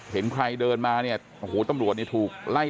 เห็นใครเดินมาเนี่ยโอ้โหตำรวจเนี่ยถูกไล่